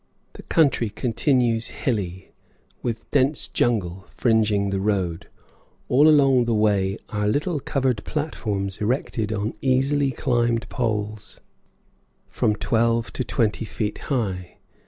The country continues hilly, with the dense jungle fringing the road; all along the way are little covered platforms erected on easily climbed poles from twelve to twenty feet high.